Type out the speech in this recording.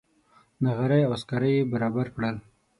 نغرۍ او سکاره یې برابر کړل.